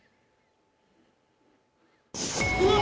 うわ！